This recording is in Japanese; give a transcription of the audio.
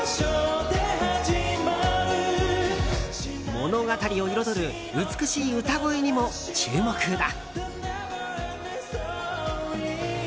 物語を彩る美しい歌声にも注目だ。